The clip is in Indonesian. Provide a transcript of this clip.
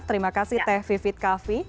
terima kasih teh vivit kaffi